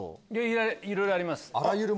いろいろあります。